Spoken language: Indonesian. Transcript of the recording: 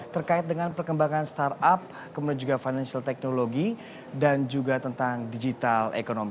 terkait dengan perkembangan startup kemudian juga financial technology dan juga tentang digital ekonomi